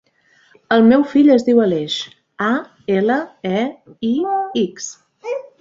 El meu fill es diu Aleix: a, ela, e, i, ics.